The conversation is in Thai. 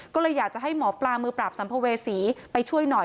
ก็เลยอยากจะให้หมอปลามือปราบสัมภเวษีไปช่วยหน่อย